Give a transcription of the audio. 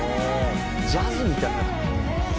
「ジャズみたいな」